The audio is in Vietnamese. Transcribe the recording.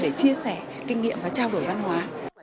để chia sẻ kinh nghiệm và trao đổi văn hóa